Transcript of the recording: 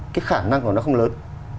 cái khả năng của nó không lớn